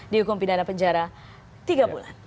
dihukum pidana penjara tiga bulan